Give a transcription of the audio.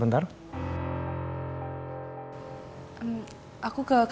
pas balik aku ga pursue poule